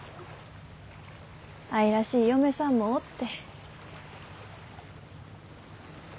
愛らしい嫁さんもおって。